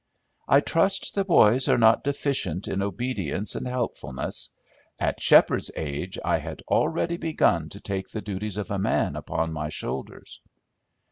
"'I trust the boys are not deficient in obedience and helpfulness. At Sheppard's age I had already begun to take the duties of a man upon my shoulders.'"